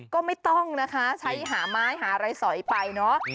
ก็ไม่ต้องนะคะใช้หาไม้หาอะไรสอยไปเนอะ